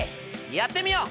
やってみよう！